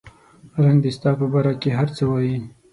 رنګ دې ستا په باره کې هر څه وایي